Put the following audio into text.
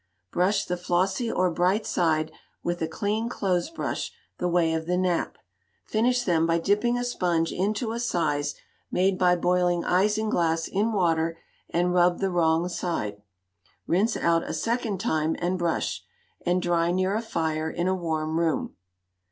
Brush the flossy or bright side with a clean clothes brush, the way of the nap. Finish them by dipping a sponge into a size, made by boiling isinglass in water, and rub the wrong side. Rinse out a second time, and brush, and dry near a fire in a warm room.